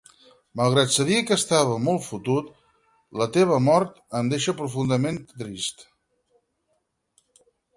Malgrat sabia que estava molt fotut, la teva mort, em deixa profundament trist.